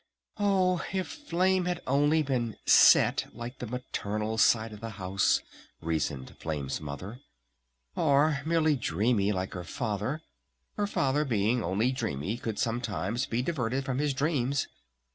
"Oh if Flame had only been 'set' like the maternal side of the house!" reasoned Flame's Mother. "Or merely dreamy like her Father! Her Father being only dreamy could sometimes be diverted from his dreams!